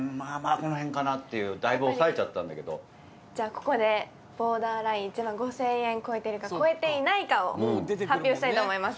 この辺かなっていうだいぶ抑えちゃったんだけどじゃあここでボーダーライン１万５０００円超えているか超えていないかを発表したいと思います